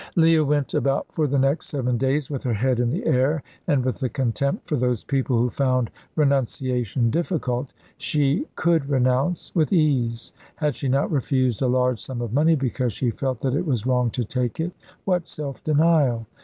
Leah went about for the next seven days with her head in the air, and with a contempt for those people who found renunciation difficult. She could renounce, with ease: had she not refused a large sum of money because she felt that it was wrong to take it? What self denial!